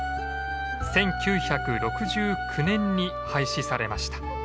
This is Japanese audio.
１９６９年に廃止されました。